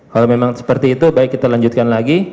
kalau memang seperti itu baik kita lanjutkan lagi